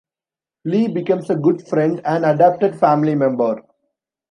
Lee becomes a good friend and adopted family member.